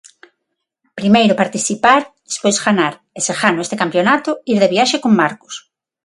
Primeiro participar, despois ganar, e se gano este campionato, ir de viaxe con Marcos.